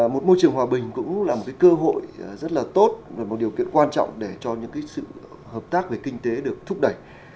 một môi trường hòa bình cũng là một cơ hội rất là tốt và một điều kiện quan trọng để cho những sự hợp tác về kinh tế được thúc đẩy